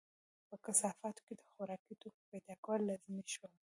په کثافاتو کې د خوراکي توکو پیدا کول لازمي شول.